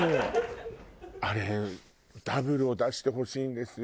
あれダブルを出してほしいんですよ。